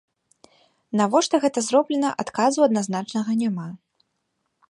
Навошта гэта зроблена, адказу адназначнага няма.